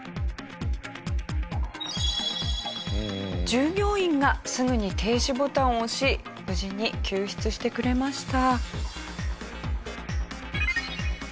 従業員がすぐに停止ボタンを押し無事に救出してくれました。